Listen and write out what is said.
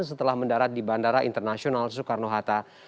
setelah mendarat di bandara internasional soekarno hatta